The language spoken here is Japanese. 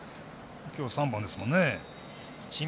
きょう３本ですもんね。